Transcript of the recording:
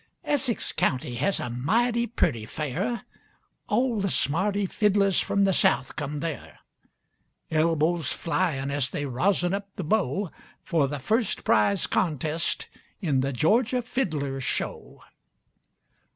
Essex County has a mighty pretty fair, All the smarty fiddlers from the South come there. Elbows flyin' as they rosin up the bow For the First Prize Contest in the Georgia Fiddlers' Show.